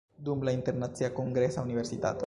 Dum la Internacia Kongresa Universitato.